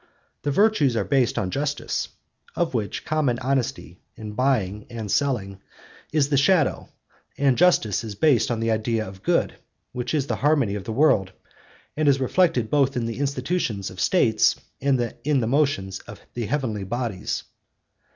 The virtues are based on justice, of which common honesty in buying and selling is the shadow, and justice is based on the idea of good, which is the harmony of the world, and is reflected both in the institutions of states and in motions of the heavenly bodies (cp.